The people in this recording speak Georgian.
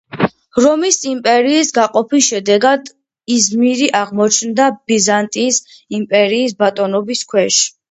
რომის იმპერიის გაყოფის შედეგად იზმირი აღმოჩნდა ბიზანტიის იმპერიის ბატონობის ქვეშ.